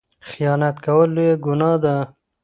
خیانت کول لویه ګناه ده